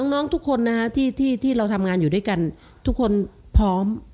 น้องทุกคนนะฮะที่เราทำงานอยู่ด้วยกันทุกคนพร้อม